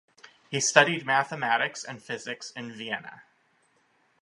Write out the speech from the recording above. He studied mathematics and physics in Vienna.